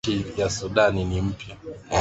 watu watajua kwamba nchi mpya ya sudan